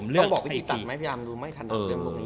ลือกใบที่ศูนย์